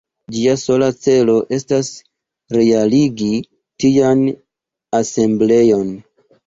Ĝia sola celo estas realigi tian asembleon.